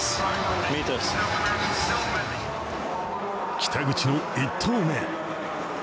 北口の１投目。